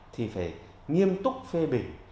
thì phải nghiêm túc phê bình